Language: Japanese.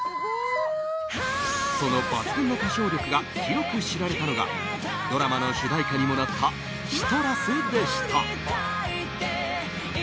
その抜群の歌唱力が広く知られたのがドラマの主題歌にもなった「ＣＩＴＲＵＳ」でした。